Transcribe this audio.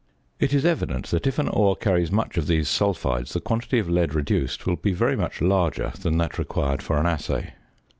It is evident that if an ore carries much of these sulphides, the quantity of lead reduced will be very much larger than that required for an assay.